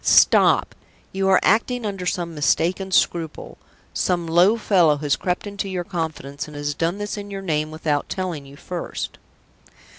Stop! you are acting under some mistaken scruple. Some low fellow has crept into your confidence, and has done this in your name without telling you first."